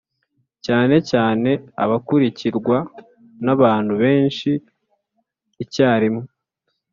cyane cyane abakurikirwa n’abantu benshi icyarimwe,